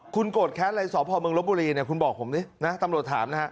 คุณโกรธแค้นอะไรสพเมืองลบบุรีเนี่ยคุณบอกผมดินะตำรวจถามนะฮะ